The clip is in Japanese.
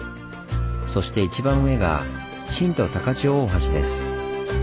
そして一番上が神都高千穂大橋です。